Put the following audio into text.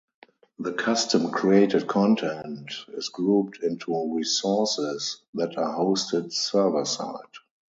The custom created content is grouped into "resources" that are hosted server-side.